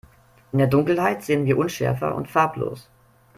In der Dunkelheit sehen wir unschärfer und farblos.